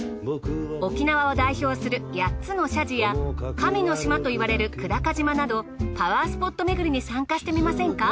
沖縄を代表する８つの社寺や神の島といわれる久高島などパワースポットめぐりに参加してみませんか？